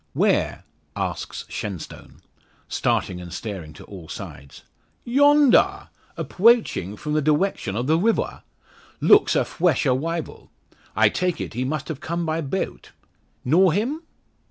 "Where?" asks Shenstone, starting and staring to all sides. "Yondaw! Appwoaching from the diwection of the rivaw. Looks a fwesh awival. I take it, he must have come by bawt! Knaw him?"